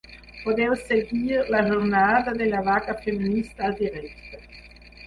Podeu seguir la jornada de la vaga feminista al directe.